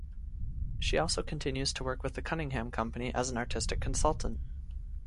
She also continues to work with the Cunningham company as an artistic consultant.